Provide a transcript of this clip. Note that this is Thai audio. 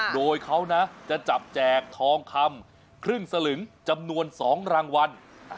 โดยเขานะจะจับแจกทองคำครึ่งสลึงจำนวน๒รางวัล